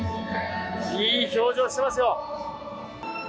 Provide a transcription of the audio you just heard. いい表情してますよ。